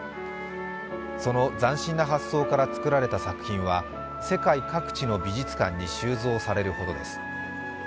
その斬新な発想から作られた作品は世界各地の美術館に収蔵されるほどです。